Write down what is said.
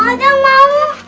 mau jang mau